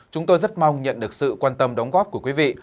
chúng tôi rất mong nhận được sự quan tâm đóng góp của quý vị